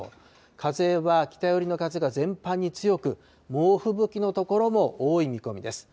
風は北寄りの風が全般に強く、猛吹雪の所も多い見込みです。